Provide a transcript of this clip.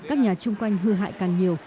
các nhà chung quanh hư hại càng nhiều